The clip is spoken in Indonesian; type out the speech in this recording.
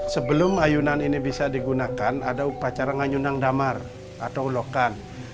sebelum ayunan ini bisa digunakan ada upacara ngayunang damar atau ulokan